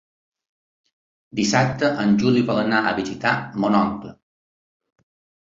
Dissabte en Juli vol anar a visitar mon oncle.